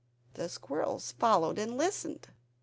The squirrels followed and listened.